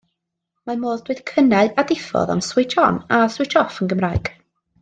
Mae modd dweud cynnau a diffodd am ‘switch on' a ‘switch off' yn Gymraeg.